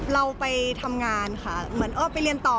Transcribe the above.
เราไปทำงานค่ะเหมือนไปเรียนต่อ